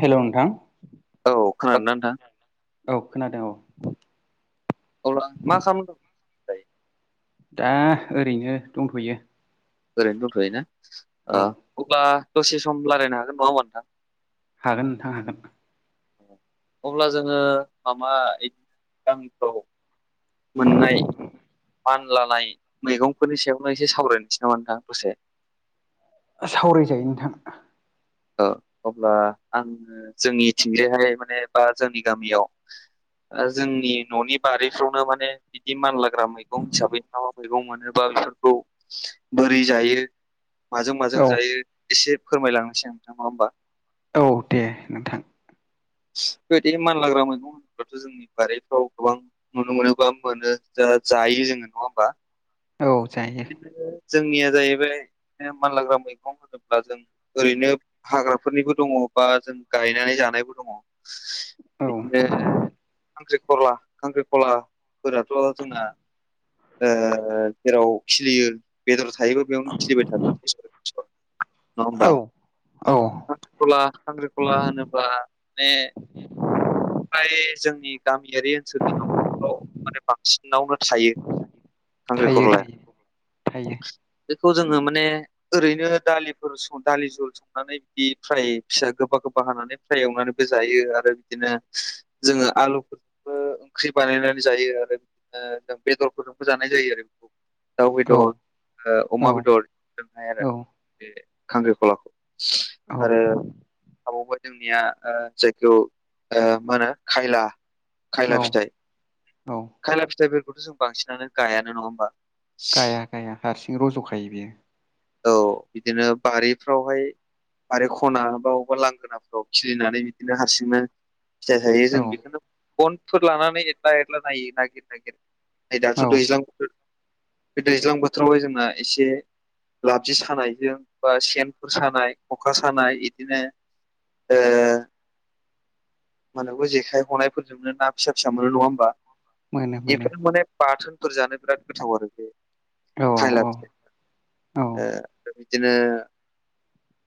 हेल' नोंथां औ खोनादों दा नोंथां? औ खोनादों औ। औ मा खालाम दा ओरैनो दंथ'यो ओरैनो दंथ'यो ना औ ओ अब्ला दसे सम रायलायनो हागोन नङा होमा नोंथां। हागोन नोंथां हागोन। अब्ला जोङो माबा बिदि गामिफ्राव मोननाय मानलानाय मैगंफोरनि सायावलाय एसे सावरायनोसै नोंथां दसे। सावरायजायो नोंथां। ओ अब्ला आङो जोंनि थंजायहाय माने बा जोंनि गामियाव ओ जोंनि न'नि बारिफ्रावनो माने बिदि मानला होग्रा मैगं हिसाबै म मा मैगं मोनोबा बेफोरखौ बोरै जायो माजों माजों औ जायो एसे फोरमायलांनोसै नोंथां नंङा होमबा औ दे नोंथां बेबायदि मानलाग्रा मैगंफथ' जोंनि बारिफ्राव गोबां नुनो मोनोबा मोनो जा जायो जोङो नङा होमबा। औ जायो बिदिनो जोंनिया जाहैबाय मानलाग्रा मैगं होनोब्ला जों ओरैनो हाग्राफोरनिबो दङ बा जों गायनानै जानायबो दङ। बिदिनो औ खांख्रिखला खांख्रिखला फोराथ' जोंना ओ जेराव खिलियो बेदर थायोबो बेयावनो खिलिबाय थागोन बोसोर बोसोर नङा होमबा औ औ खख्रिखला खांख्रिख'ला होनोब्ला माने ओमफ्राय जोंनि गामियारि जोंनि न'खरफ्राव माने बांसिनावनो थायो थायो खांख्रिखरलाया थायो थायो बेखौ जोङो माने ओरैनो दालिफोर स दालि जल स संनानै बिदि फ्राय फिसा गोबा गोबा हानानै फ्राय एवनानैबो जायो आरो बिदिनो जोङो आलुफोर ओ ओंख्रि बानायनानै जायो आरो बिदिनो बेदरफोरजोंबो जानाय जायो आरो दाव औ बेदर ओ औ अमा बेदरजोंहाय आरो औ बे खांख्रिखलाखौ औ आरो थाबावबा जोंनिया जायखौ ओ मा होनो खायला औ खायला फिथाइ औ खायला फिथाइफोरखौथ' जों बांसिनानो गायानो नङा होमबा गाया गाया हारसिं रज'खायो बियो। औ बिदिनो बारिफ्रावहाय बारि खना बा अबेबा लांगोनाफोराव खिलिनानै बिदिनो हारसिंनो फिथाइ थायो जों औ बेखौनो गनफोर लानानै एदला एदला नायो नागिर नागिर नै औ दाथ' दैज्लां बोथोर बे दैज्लां बोथोरावहाय जोंना एसे लाबजि सानायजों बा सेनफोर सानाय खखा सानाय इदिनो ओ [unintelligible] जेखाइ हनायफोरजोंनो ना फिसा फिसा मोनो नङा होमबा? मोनो मोनो बेफोरो माने बाथोनफोर जानो बिराद गोथाव आरो बे औ औ खायला औ ओ [inaudible] बिदिनो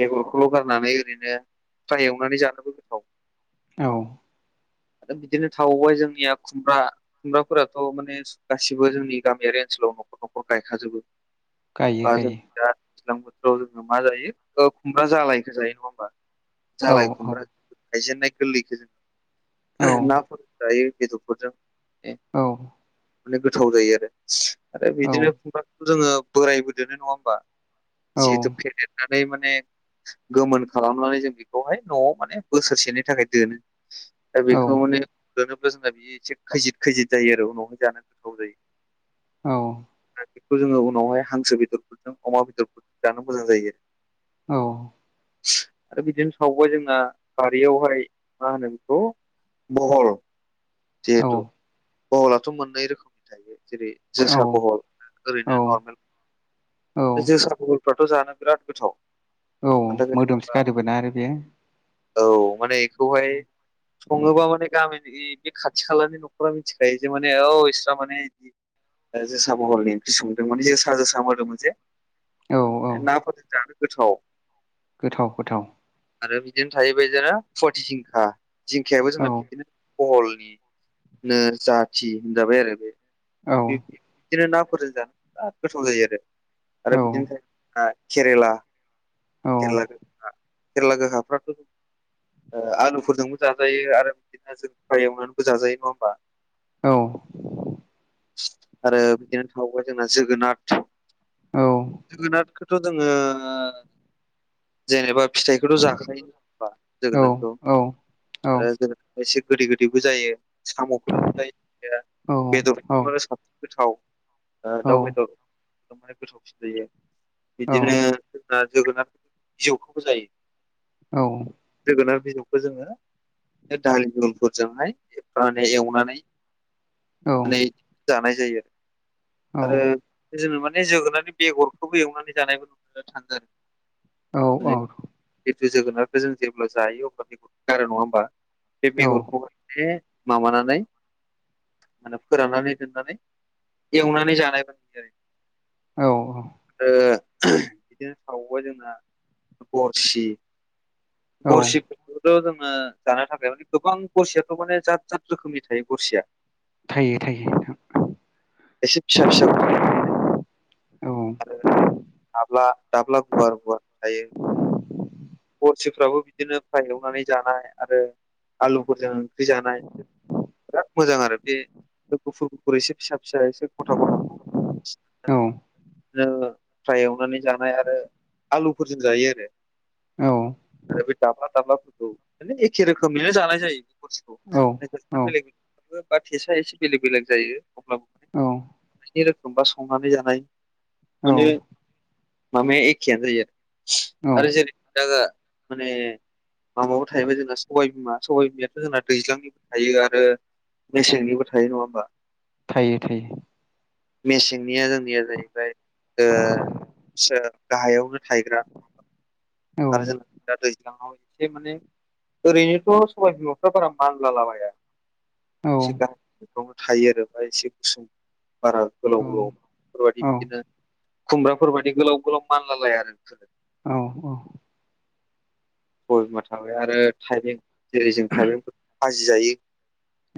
बेगरखौल' गारनानै ओरैनो फ्राय एवनानै जानोबो गोथाव। औ बिदिनो थाबावबाय जोंनिया खुमब्रा। खुमब्राफोराथ' माने गासिबो जोंनि गामियारि ओनसोलाव न'खर न'खर गायखाजोबो। गायो बा जों गायो दा दैज्लां बोथोराव जोङो मा जायो खुमब्रा जालायखो जायो नङा होमबा? जालाय औ औ खुमब्रा गायजेन्नाय गोरलैखो औ जों नाफोरजों जायो बेदरफोरजों। औ माने गोथाव जायो आरो आरो बिदिनो [inaudible] जोङो बोरायबो [inaudible] नङा होमबा? औ जिहेथु फेदेरनानै माने गोमोन खालामनानै जों बेखौहाय न'आव माने बोसोरसेनि थाखाय दोनो। दा बेखौ माने लोनोब्ला जोंना बेयो एसे खैजिद खैजिद जायो आरो उनावहाय जानो गोथाव जायो। औ आरो बेखौ जोङो उनावहाय हांसो बेदरफोरजों अमा बेदरफोरजों जानो मोजां जायो। औ आरो बिदिनो सावबाय जोंना बारियावहाय मा होनो बेखौ बहल औ जिहेथु बहलाथ' मोननै रोखोमनि थायो जेरै औ जोसा बहल औ ओरैनो नर्मेल औ जोसा बहलफ्राथ' जानो बिराद गोथाव। औ मानि मोदोमसो थाखाय गारोबोना आरो बेयो। औ माने बेखौहाय सङोबा माने गामिनि बे खाथि खालानि न'खरा मिथिखायो जे माने अ इस्रा माने बिदि ओ जोसा बहलनि ओंख्रि संदों माने जोसा जोसा जे औ औ नाफोरजों जानो गोथाव। गोथाव गोथाव। आरो बिदिनो थायोबाय [inaudible] फुवाटि जिंखा जिंखायाबो औ जोंना बिदिनो बहलनिनो जाथि होनजाबाय आरो बे। औ बिदिनो नाफोरजों जानो बिराद गोथाव जायो आरो आरो बिदिनो [inaudible] केरेला औ खेरला [inaudible] खेरला गोखाफ्राथ' ओ आलुफोरजोंबो जाजायो आरो बिदिनो जों [inaudible] एवनानैबो जाजायो नङा होमबा? औ आरो बिदिनो थाबावबाय जोंना जोगोनार औ जोगोनार थ' जोङो जेनेबा फिथाइखौथ' जाखायो होनबा औ जोगोनारखौ। औ औ आरो जों एसे गोदै गोदैबो जायो। साम'फोरजोंबो जायो [unintelligible] बेदर साबसिन गोथाव ओ औ दाउ बेदर [unintelligible] गोथावसिन जायो बिदिनो ओ जोगोनार बिजौखौबो जायो। औ जोगोनार बिजौखौ जोङो दालि जहलफोरजोंहाय [unintelligible] एवनानै नै जानाय जायो इरो। आरो जोङो माने जोगोनारनि बेगरखौबो एवनानै जानायबो नुनो थाङो। औ माने औ जिथु जोगोनारखौ जों जेब्ला जायो अब्ला बेगर गारो नङा होमबा बे बेगरखौ माने माबानानै मानो फोराननानै दोननानै एवनानै जानाय [unintelligible] औ औ ओ बिदिनो थाबावबाय जोंना गरसि। गरसिफोरखौथ' जोङो जानो थाखाय माने गोबां गरसियाथ' माने जात जाद रोखोमनि थायो गरसिया। थायो थायो एसे फिसा फिसा औ आरो दाब्ला दाब्ला गुवार गुवारबो थायो। गरसिफ्राबो बिदिनो फ्राय एवनानै जानाय आरो आलुफोरजों ख्रि जानाय बिराद मोजां आरो बे बे गुफुर गुफुर एसे फिसा फिसा एसे गथा गथाखौ [unintelligible] फ्राय एवनानै जानाय आरो आलुफोरजों जायो आरो। औ आरो बे दाब्ला दाबलाफोरखौ म एखे रोखोमनिनो जानाय जायो औ गरसिखौ औ [unintelligible] बो बा थेसा एसे बेलेग बेलेग जायो अब्लाबो [unintelligible] औ जानायनि रोखोम बा संनानै जानाय माने माबाया एखेयानो जायो औ आरो [unintelligible] माने माबाबो थायैबाय जोंना सबबाय बिमा सबाय बिमायाथ' जोंना दैज्लांनिबो थायो आरो मेसेंनिबो थायो नङा होमबा? थायो थायो मेसेंनिया जोंनिया जाहैबाय ओ फिसा गाहायावनो थायग्रा आरो जोंना दा दैज्लाङाव एसे माने ओरैनोथ' सबाइ बिमाफ्रा बारा मानलालाबाया। औ एसे गाहायफ्रावनो थायो आरो बा [unintelligible] एसे गुसुं बारा गोलाव औ गोलाव फोरबायादि औ बिदिनो खुमब्राफोरबादि गोलाव गोलाव मानलालाया आरो बिसोरो। औ औ सबाय बिमा थाबाय आरो थाइबें जेरै जों थाइबेंफोर फाजि जायो।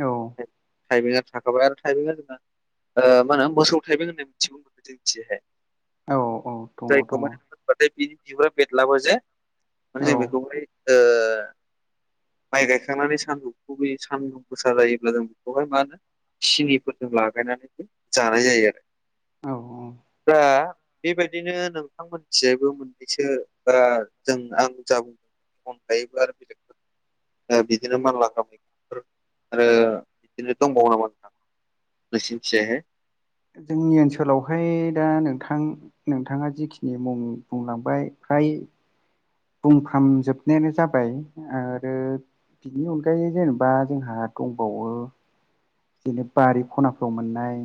औ थाइबेंआ थाखाबाय आरो थाइबेंआ जोंना ओ मा होनो मोसौ थाइबें होननानै मिथिगौ बेखौ जोंनिथिंजायहाय। औ औ दङ जायखौ दङ मानि मोनबाथाय बिनि बिगुरा बेरलाबो जे औ माने जों बे ओ माइ गायखांनानै सानदुंखो बै सानदुं गोसा जायोब्ला जों बेखौहाय मा होनो सिनिफोरजों लागायनानै जानाय जायो आरो। औ औ दा बेबायदिनो नोंथां मोनथिंजायबो मोननैसो ओ जों आं जा बुं खन थायोबा [unintelligible] ओ बिदिनो मानलाग्रा मैगंफोर आरो बिदिनो दंबावो नामा नोंथां? नोंसिनथिंजाय जोंनि ओनसोलावहाय दा नोंथां नोंथाङा जिखिनि मुं बुंलांबाय फ्राय बुंफ्राम जोबनायानो जाबाय आरो बिनि अनगायै जेनेबा जोंहा दंबावो बिदिनो बारि खनाफ्राव मोननाय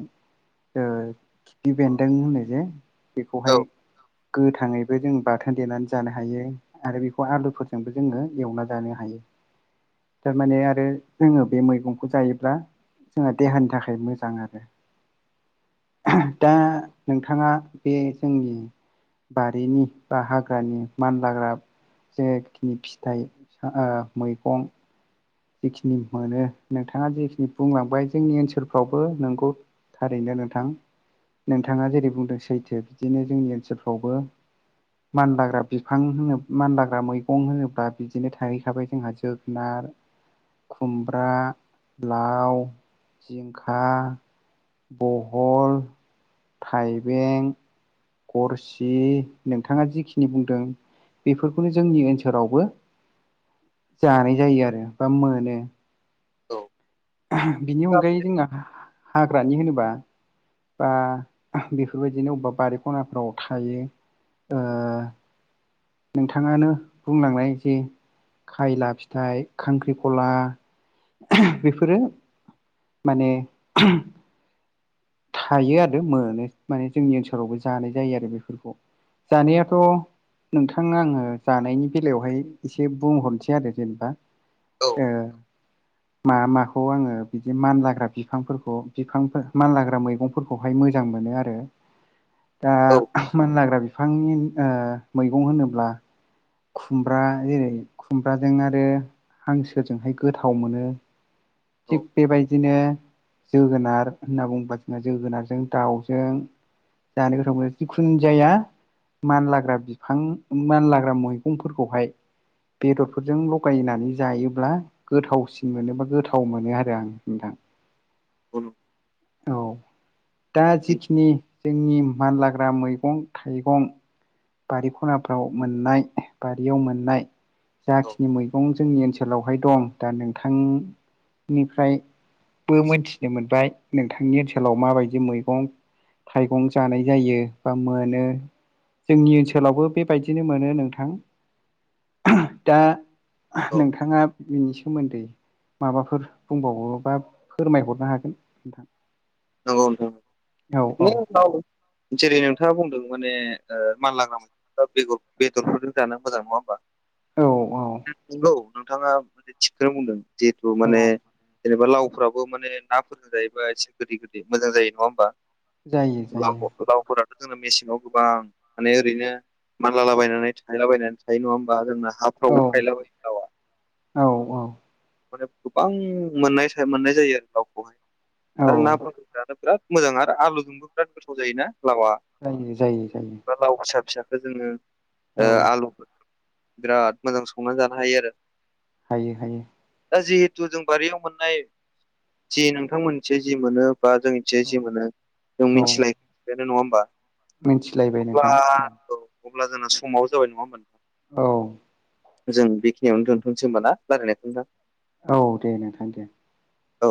ओ खिफि बेन्दों होनो जे औ बेखौहाय गोथाङैबो जों बाथोन देनानै जानो हायो। आरो बेखौ आलुफोरजोंबो जोङो एवना जानो हायो। थारमाने आरो जोङो बे मैगंखौ जायोब्ला जोंहा देहानि थाखाय मोजां आरो दा नोंथाङा बे जोंनि बारिनि बा हाग्रानि मानलाग्रा जेखिनि फिथाइ मैगं जखिनि मोनो नोंथाङा जेखिनि बुंलांबाय जोंनि ओनसोलफ्रावबो नोंगौ थारैनो नोंथां नोंथाङा जेरै बुंदों सैथो बिदिनो जोंनि ओनसोलफ्रावबो मानलाग्रा बिफां होन मानलाग्रा मैगं होनोब्ला बिदिनो थाहैखाबाय जोंहा जोगोनार खुमब्रा लाव जिंखा बहल थाइबें गरसि नोंथाङा जिखिनि बुंदों बेफोरखौनो जोंनि ओनसोलावबो जानाय जायो आरो बा मोनो द बिनि अनगायै जोंहा हाग्रानि होनोबा बा बेफोरबायदिनो अबेबा बारि खनाफ्राव थायो नोंथाङानो बुंलांनाय जे खायला फिथाइ खांख्रिखला बेफोरो माने थायो आरो मोनो माने जोंनि ओनसोलावबो जानाय जायो आरो बेफोरखौ जानायाथ' नोंथांनो आङो जानायनि बेलायावहाय एसे बुंहरनोसै आरो जेनेबा ओ मा माखौ आङो बिदि मानलाग्रा बिफांफोरखौ बिफां मानलाग्रा मैगंफोरखौहाय मोजां मोनो आरो दा औ मानला बिफांनि ओ मैगं होनोब्ला खुमब्रा जेरै खुमब्राजों आरो हांसोरजोंहाय गोथाव मोनो औ थिग बेबायदिनो जोगोनार होनना बुंबा ज जोगोनारजों दाउजों जानो गोथाव जिखुन जाया मानलाग्रा बिफां मानलाग्रा मैगंफोरखौहाय बेदरफोरजों लगायनानै जायोब्ला गोथावसिन मोनो बा गोथाव मोनो आरो आं नोंथां उल औ दा जिखिनि जोंनि मानलाग्रा मैगं थाइगं बारि खनाफ्राव मोननाय बारियाव मोननाय जाखिनि मैगं जोंनि ओनसोलाव हटेलावहाय दं दा नोंथांनिफ्रायबो मोनथिनो मोनबाय नोंथां आंनि ओनसोलाव माबायदि मैगं थाइगं जानाय जायो बा मोनो जोंनि ओनसोलावबो बेबायदिनो मोनो नोंथां दा नोंथाङा बिनि सोमोन्दै माबाफोर बुंबावोबा फोरमायहरनो हागोन नोंथां नंगौ नोंथां औ औ बिदिनो जेरै नोंथाङा बुंदों माने ओ मानलाग्रा दा बे बेदरफोरजों जानो मोजां नङा होमबा औ औ नंगौ नोंथाङासे थिगखौनो बुंदों जिहेथु माने औ जेनेबा लावफ्राबो माने नाफोरजोंजायोबा एसे गोदै गोदै मोजां जायो नङा होमबा जायो जायो ल लावफोरा जोंना मेसिनाव गोबां माने ओरैनो मानलालाबायनानै थायलाबायनानै थायो नङा होमबा जोंना औ हाफ्राव थायलाबायो लावआ औ औ माने गोबां मोननाय मोननाय जायो आरो लावखौहाय औ आरो नाफोरस' बिराद मोजां आरो आलुजोंबो बिराद गोथाव जायोना लावा जायो जायो जायो लाव फिसा फिसखौो जोङो औ आलु बिराद मोजां संनानै जानो हायो आरो हायो हायो। दा जिहेथु जों बारियाव मोननाय जि नोंथांमोनसे जि मोनो बा जोंनिथिं जि मोनो जों औ मिथिनाय बेनो नङा होमबा? मिथिलायबाय अब्ला नोंथां। औ अब्ला जोंना समाबो जाबाय नङा होनबा। औ जों बेखिनियावनो दोनथ'सै होनबाना रायलायनायखौ नोंथां। औ दे नोंथां दे। औ।